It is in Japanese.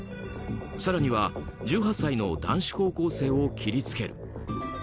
更には、１８歳の男子高校生を切りつける。